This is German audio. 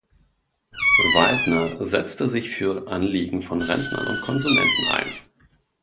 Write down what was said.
Waldner setzte sich für Anliegen von Rentnern und Konsumenten ein.